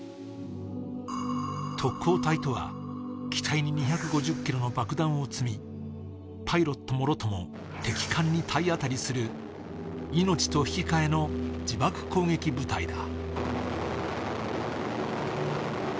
特攻隊とは、機体に２５０ｋｇの爆弾を積みパイロットものとも敵艦に体当たりし命と引き換えに攻撃する自爆行為部隊だ。